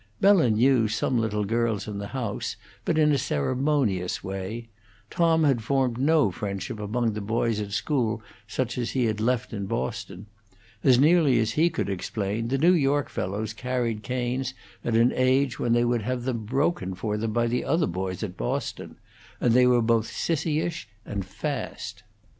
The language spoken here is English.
Bella knew some little girls in the house, but in a ceremonious way; Tom had formed no friendships among the boys at school such as he had left in Boston; as nearly as he could explain, the New York fellows carried canes at an age when they would have had them broken for them by the other boys at Boston; and they were both sissyish and fast.